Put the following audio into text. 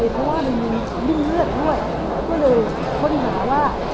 เพราะว่ามันมีดิ้นเลือดด้วยก็เลยค้นหาว่า